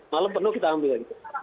malam penuh kita ambil